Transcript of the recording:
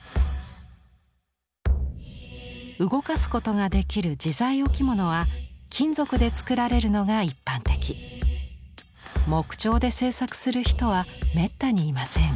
動かすことができる自在置物は金属で作られるのが一般的木彫で制作する人はめったにいません。